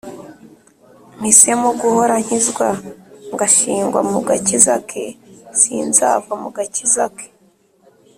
mpisemo guhora nkizwa, ngashingwa mu gakiza ke : sinzava mu gakiza ke !